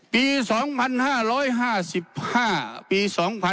ปี๒๕๕๕ปี๒๕๖๒